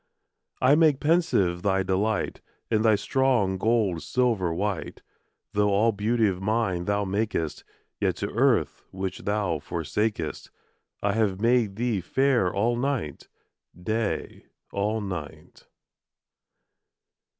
I make pensive thy delight, And thy strong gold silver white. Though all beauty of nine thou makest, Yet to earth which thou forsakest I have made thee fair all night, Day all night.